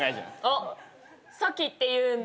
あっサキっていうんだ。